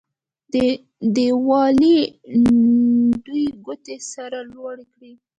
تر دیوالۍ دوې ګوتې سر لوړ کړه.